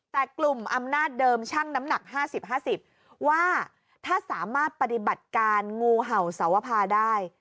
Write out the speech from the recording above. แต่กลุ่มอำนาจเดิมช่างน้ำหนัก๕๐๕๐ว่าถ้าสามารถปฏิบัติการงูเห่าสวภาได้